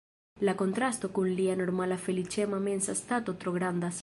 La kontrasto kun lia normala feliĉema mensa stato tro grandas.